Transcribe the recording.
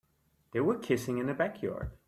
They were kissing in the backyard.